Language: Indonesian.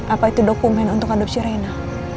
apa itu dokumen untuk adopsi reina